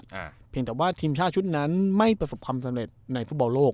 เพียงแต่ว่าทีมชาติชุดนั้นไม่ประสบความสำเร็จในฟุตบอลโลก